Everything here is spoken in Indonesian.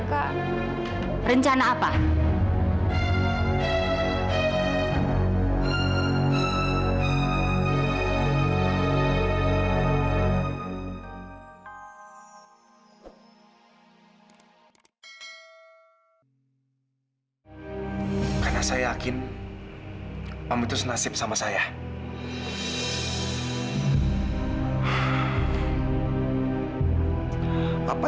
karena saya adalah ayah biologis dari kafa